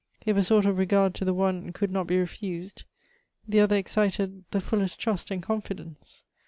If a sort of regard to the one could not be refused, the other excited the fullest trust and confidence.